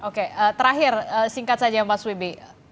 oke terakhir singkat saja ya pak swibi